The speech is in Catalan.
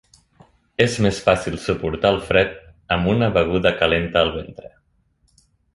És més fàcil suportar el fred amb una beguda calenta al ventre.